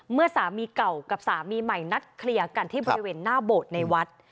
เมื่อสามีเก่ากับสามีใหม่นัดเคลียร์กันที่บริเวณหน้าโบสถ์ในวัด